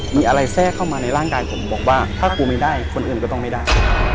จะพ่อการตามมาว่าถ้ากลัวไม่ได้คนอื่นก็ต้องไม่ได้